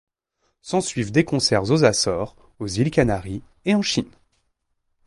S’en suivent des concerts aux Açores, aux Îles Canaries et en Chine.